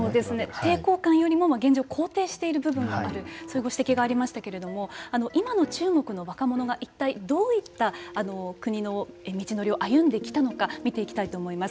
抵抗感よりも現状を肯定している部分があるそういうご指摘がありましたけれども今の中国の若者が一体どういった国の道のりを歩んできたのか見ていきたいと思います。